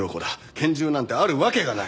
拳銃なんてあるわけがない！